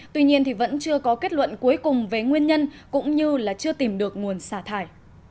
tuy nhiên thì vẫn chưa có kết luận cuối cùng với nguyên nhân cũng như là chưa tìm được nguồn xả thải